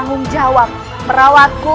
menjadi pelayan dinda